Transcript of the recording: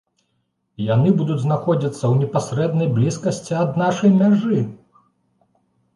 І яны будуць знаходзіцца ў непасрэднай блізкасці ад нашай мяжы!